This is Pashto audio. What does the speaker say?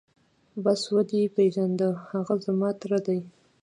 بس ودې پېژاند هغه زما تره دى.